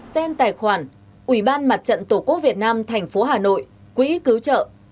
tên tài khoản ủy ban mặt trận tổ quốc việt nam tp hà nội quỹ cứu trợ